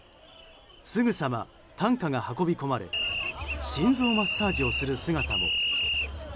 すぐさま担架が運び込まれ心臓マッサージをする姿も。